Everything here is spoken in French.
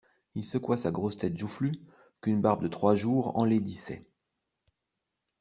Il secoua sa grosse tête joufflue, qu'une barbe de trois jours enlaidissait.